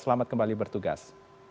selamat kembali bertugas